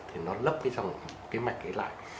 thì nó lấp cái dòng mạch ấy lại